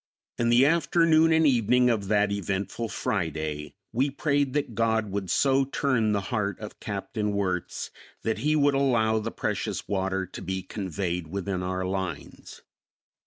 In the afternoon and evening of that eventful Friday we prayed that God would so turn the heart of Capt. Wirtz that he would allow the precious water to be conveyed within our lines.